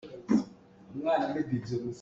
Na cauk na hrawh ahcun cauk na ngei ti lai lo.